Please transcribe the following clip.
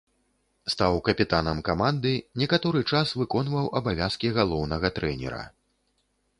Стаў капітанам каманды, некаторы час выконваў абавязкі галоўнага трэнера.